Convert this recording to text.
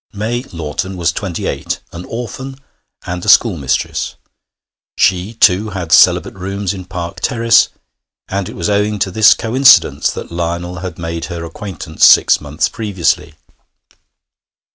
May Lawton was twenty eight, an orphan, and a schoolmistress. She, too, had celibate rooms in Park Terrace, and it was owing to this coincidence that Lionel had made her acquaintance six months previously.